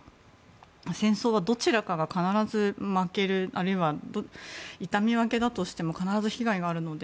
戦争はどちらかが必ず負けるあるいは、痛み分けだとしても必ず被害があるので。